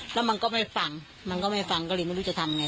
แล้วมันก็ไม่ฟังมันก็ไม่ฟังก็เลยไม่รู้จะทำไง